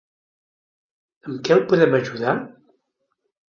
Amb que el podem ajudar?